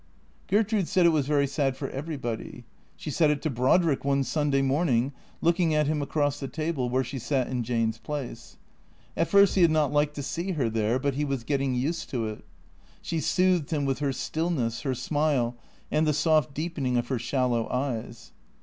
Gertrude said it was very sad for everybody. She said it to Brodrick one Sunday morning, looking at him across the table, where she sat in Jane's place. At first he had not liked to see her there, but he was getting used to it. She soothed him with her stillness, her smile, and the soft deepening of her shallow eyes.